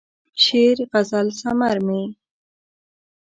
شعر، غزل ثمر مې یې